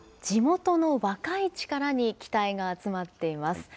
地元の若い力に期待が集まっています。